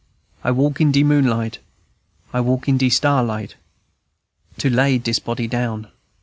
I walk in de moonlight, I walk in de starlight, To lay dis body down.